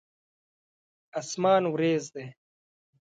اسمان وريځ دی.